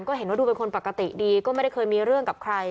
ก็เห็นว่าดูเป็นคนปกติดีก็ไม่ได้เคยมีเรื่องกับใคร